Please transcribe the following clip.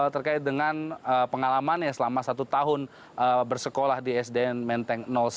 terkait dengan pengalamannya selama satu tahun bersekolah di sdn menteng satu